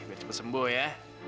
biar cepet sembuh ya